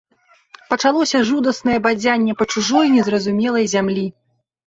Пачалося жудаснае бадзянне па чужой, незразумелай зямлі.